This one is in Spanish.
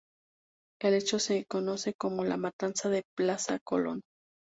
El hecho se conoce como la matanza de Plaza Colón.